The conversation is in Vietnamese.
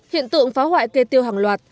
hiện tượng phá hoại cây tiêu hàng loạt